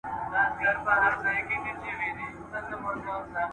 هغه سړی چې په بڼ کې کار کوي زما تره دی.